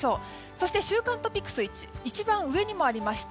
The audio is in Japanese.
そして週間トピックス一番上にもありました